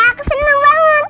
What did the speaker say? aku seneng banget